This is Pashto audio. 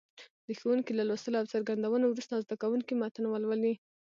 د ښوونکي له لوستلو او څرګندونو وروسته زده کوونکي متن ولولي.